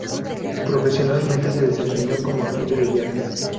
Profesionalmente se desempeñó como agente de viajes.